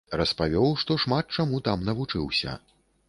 Распавёў, што шмат чаму там навучыўся.